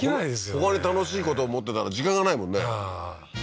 ほかに楽しいこと持ってたら時間がないもんね